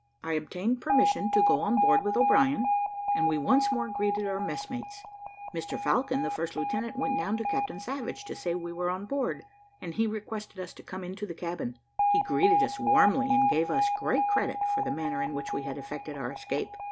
I obtained permission to go on board with O'Brien, and we once more greeted our messmates. Mr Falcon, the first lieutenant, went down to Captain Savage, to say we were on board, and he requested us to come into the cabin. He greeted us warmly, and gave us great credit for the manner in which we had effected our escape.